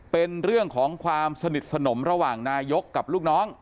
เป็นเรื่องของความสนิทสนมระหว่างนายกกับลูกน้อง